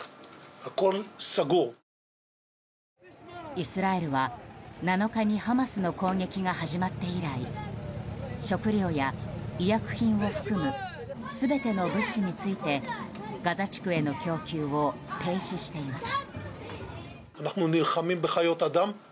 イスラエルは７日にハマスの攻撃が始まって以来食料や医薬品を含む全ての物資についてガザ地区への供給を停止しています。